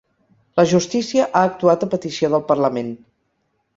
La justícia ha actuat a petició del parlament